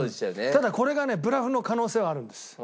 ただこれがねブラフの可能性はあるんです。